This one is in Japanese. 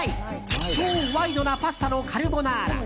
超ワイドなパスタのカルボナーラ！